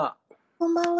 「こんばんは」。